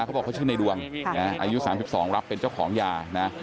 เขาบอกเขาชื่อในดวงอายุ๓๒รับเป็นเจ้าของยานะ